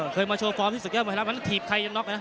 เคยมาโชว์ฟอร์มที่สุขย้ำมหาละวันนั้นถีบใครยังนอกไว้นะ